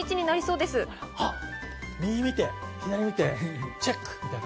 右見て左見てチェックみたいな？